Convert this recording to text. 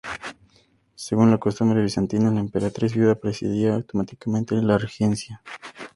Según la costumbre bizantina, la emperatriz viuda presidía automáticamente la regencia.